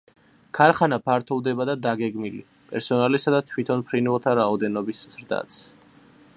ქარხანა ფართოვდება და დაგეგმილი, პერსონალისა და თვითონ ფრინველთა რაოდენობის ზრდაც.